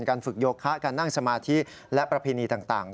การฝึกโยคะการนั่งสมาธิและประเพณีต่าง